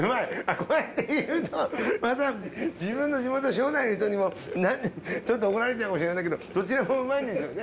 こうやって言うとまた自分の地元庄内の人にも怒られちゃうかもしれないけどどちらもうまいんですよね。